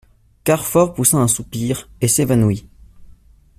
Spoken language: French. Carfor poussa un soupir et s'évanouit.